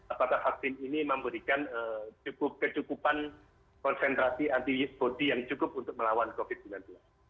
apakah vaksin ini memberikan cukup kecukupan konsentrasi antibody yang cukup untuk melawan covid sembilan belas